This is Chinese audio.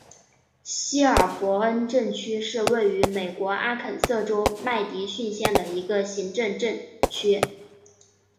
希尔伯恩镇区是位于美国阿肯色州麦迪逊县的一个行政镇区。